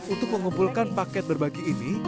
untuk mengumpulkan paket berbagi ini